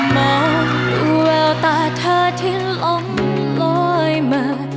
มองดูแววตาเธอที่ล้อมลอยเมอร์